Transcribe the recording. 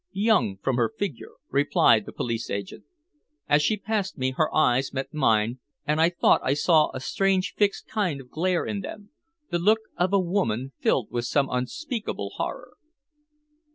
"Young from her figure," replied the police agent. "As she passed me her eyes met mine, and I thought I saw a strange fixed kind of glare in them the look of a woman filled with some unspeakable horror."